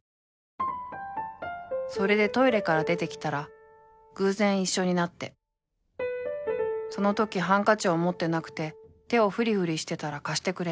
［それでトイレから出てきたら偶然一緒になってそのときハンカチを持ってなくて手をふりふりしてたら貸してくれて］